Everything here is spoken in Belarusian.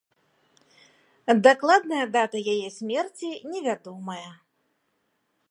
Дакладная дата яе смерці невядомая.